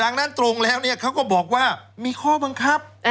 ดังนั้นตรงแล้วเนี่ยเขาก็บอกว่ามีข้อบังคับ